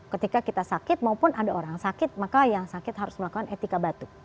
ketika kita sakit maupun ada orang sakit maka yang sakit harus melakukan etika batuk